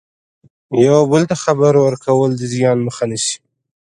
یو بل ته خبر ورکول د زیان مخه نیسي.